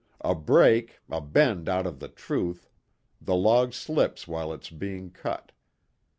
A break, a bend out of the truth, the log slips while it's being cut.